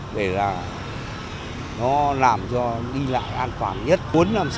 để là nó làm cho đi lạnh